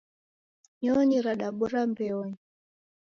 Nyonyi radabora mbeonyi.